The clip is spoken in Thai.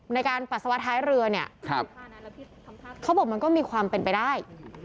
ปัสสาวะท้ายเรือเนี่ยเขาบอกมันก็มีความเป็นไปได้